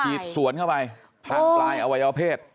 สวนเข้าไปทางปลายอวัยวเพศ